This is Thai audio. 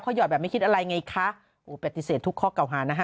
หยอดแบบไม่คิดอะไรไงคะโอ้ปฏิเสธทุกข้อเก่าหานะคะ